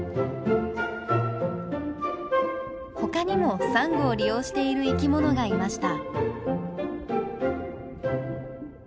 ほかにもサンゴを利用している生きものがいました。